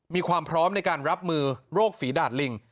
มีความพร้อมในการรับมือโรคฝีดาดลิง